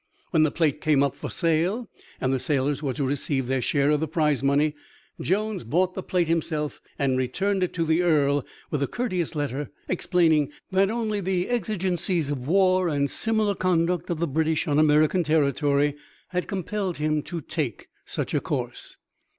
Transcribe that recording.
When the plate came up for sale and the sailors were to receive their share of the prize money Jones bought the plate himself and returned it to the Earl with a courteous letter, explaining that only the exigencies of war and similar conduct of the British on American territory had compelled him to take such a course.